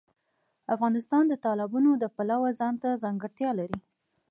افغانستان د تالابونه د پلوه ځانته ځانګړتیا لري.